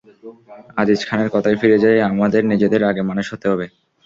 আজিজ খানের কথায় ফিরে যাই, আমাদের নিজেদের আগে মানুষ হতে হবে।